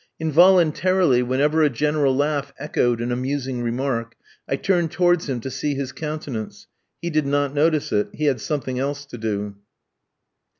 Involuntarily, whenever a general laugh echoed an amusing remark, I turned towards him to see his countenance. He did not notice it, he had something else to do.